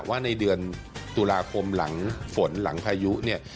ว่าในเดือนตุลาคมหลังฝนหลังพายุเนี่ย